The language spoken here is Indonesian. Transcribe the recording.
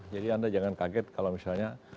jadi anda jangan kaget kalau misalnya